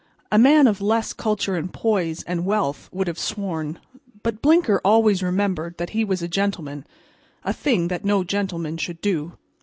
A man of less culture and poise and wealth would have sworn. But Blinker always remembered that he was a gentleman—a thing that no gentleman should do.